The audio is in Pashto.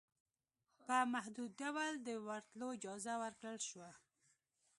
په محدود ډول دورتلو اجازه ورکړل شوه